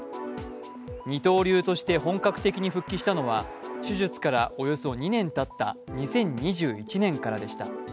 二刀流として本格的に復帰したのは手術からおよそ２年たった、２０２１年からでした。